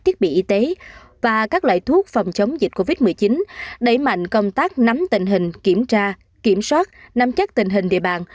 thiết bị y tế và các loại thuốc phòng chống dịch covid một mươi chín đẩy mạnh công tác nắm tình hình kiểm tra kiểm soát nắm chắc tình hình địa bàn